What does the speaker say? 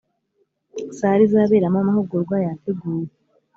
sale izaberamo amahugurwa yateguwe